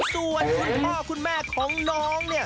ส่วนคุณพ่อคุณแม่ของน้อง